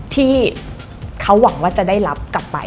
ที่เขาหวังว่าจะได้รับกลับไป